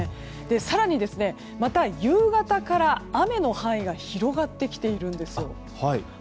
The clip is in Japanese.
更に、また夕方から雨の範囲が広がってきているんです。